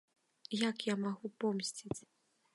Як я магу помсціць?